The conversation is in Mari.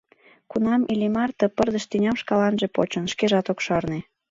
Кунам Иллимар ты пырдыж тӱням шкаланже почын, шкежат ок шарне.